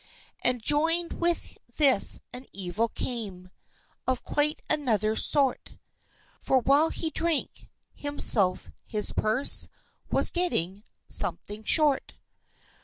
And join'd with this an evil came Of quite another sort For while he drank, himself, his purse Was getting "something short."